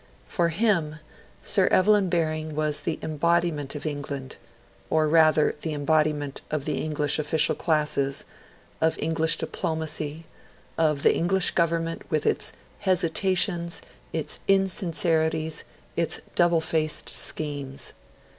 For him, Sir Evelyn Baring was the embodiment of England or rather the embodiment of the English official classes, of English diplomacy, of the English Government with its hesitations, its insincerities, its double faced schemes.